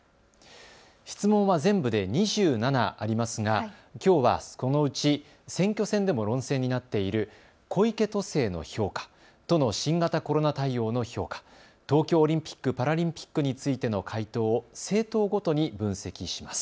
質問は全部で２７ありますがきょうは、このうち選挙戦でも論戦になっている小池都政の評価、都の新型コロナ対応の評価、東京オリンピック・パラリンピックについての回答を政党ごとに分析します。